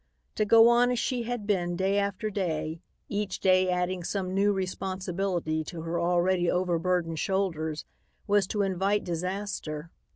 To go on as she had been day after day, each day adding some new responsibility to her already overburdened shoulders, was to invite disaster.